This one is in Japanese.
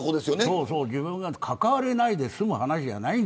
自分が関わりないで済む話じゃない。